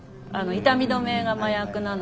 痛み止めが麻薬なので。